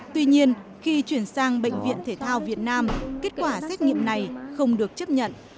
tuy nhiên khi chuyển sang bệnh viện thể thao việt nam kết quả xét nghiệm này không được chấp nhận